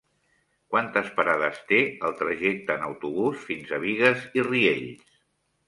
Quantes parades té el trajecte en autobús fins a Bigues i Riells?